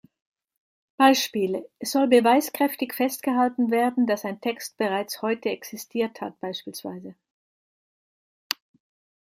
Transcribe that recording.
Beispiel: Es soll beweiskräftig festgehalten werden, dass ein Text bereits heute existiert hat, bspw.